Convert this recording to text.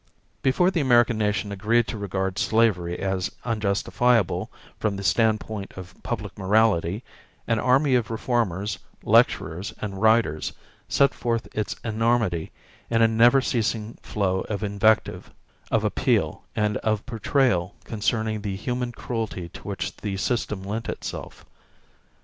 Before the American nation agreed to regard slavery as unjustifiable from the standpoint of public morality, an army of reformers, lecturers, and writers set forth its enormity in a never ceasing flow of invective, of appeal, and of portrayal concerning the human cruelty to which the system lent itself.